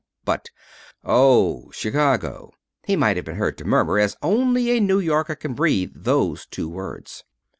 But, "Oh, Chicago!" he might have been heard to murmur, as only a New Yorker can breathe those two words.